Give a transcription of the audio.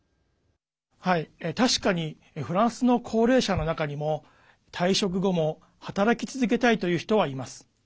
確かにフランスの高齢者の中にも退職後も働き続けたいという人はいます。